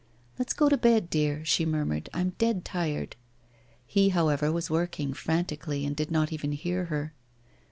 'Let's go to bed, dear,' she murmured; 'I'm dead tired.' He, however, was working frantically, and did not even hear her.